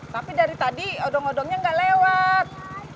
tapi dari tadi odong odongnya nggak lewat